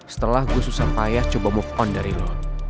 setelah gue susah payah coba move on dari lo